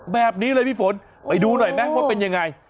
แบบนี้เลยพี่ฝนไปดูหน่อยไหมว่าเป็นยังไง